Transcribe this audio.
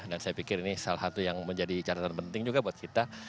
dan saya pikir ini salah satu yang menjadi catatan penting juga buat kita